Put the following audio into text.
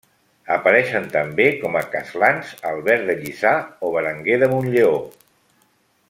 Apareixen també com a castlans Albert de Lliçà o Berenguer de Montlleó.